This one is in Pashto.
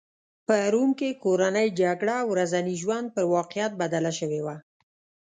په روم کې کورنۍ جګړه ورځني ژوند پر واقعیت بدله شوې وه